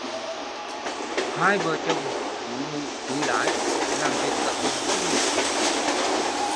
Hai vợ chồng chúi mũi lái làm việc cả tuần không nghỉ